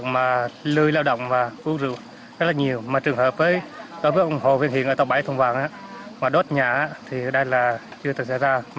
với các vụ ủng hộ viên hiện ở tàu bãi thùng vàng đốt nhà thì đây là chưa thực hiện ra